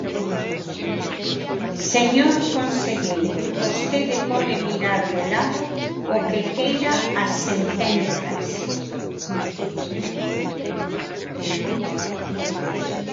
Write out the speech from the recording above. Señor conselleiro, vostede pode mirar de lado o que queira as sentenzas.